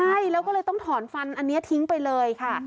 ใช่แล้วก็เลยต้องถอนฟันอันนี้ทิ้งไปเลยค่ะ